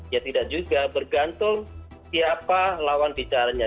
ya tidak juga bergantung siapa lawan bicaranya